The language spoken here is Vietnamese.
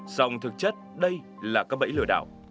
dòng thực chất đây là các bẫy lửa đảo